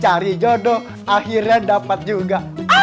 cari jodoh akhirnya dapat juga